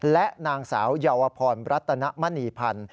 และนางสาวเยาวพรรัตนมณีพันธ์